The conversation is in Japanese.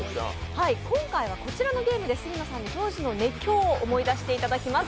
今回はこちらのゲームで杉野さんに当時の熱狂を思い出していただきます。